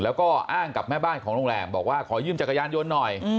แล้วก็อ้างกับแม่บ้านของโรงแรมบอกว่าขอยืมจักรยานยนต์หน่อย